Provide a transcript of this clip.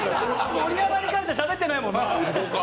盛山に関してはしゃべってないもんな。